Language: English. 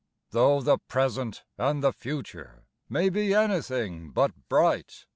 Though the present and the future may be anything but bright.